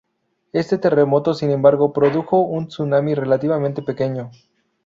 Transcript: Este terremoto, sin embargo, produjo un tsunami relativamente pequeño.